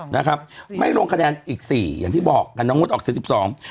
นะครับไม่ลงคะแนนอีกสี่อย่างที่บอกอ่ะน้องมดออกเสียสิบสอง